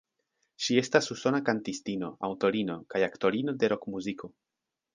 Ŝi estas usona kantistino, aŭtorino kaj aktorino de rokmuziko.